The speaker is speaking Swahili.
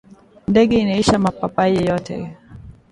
Ndege inaisha mapapayi yote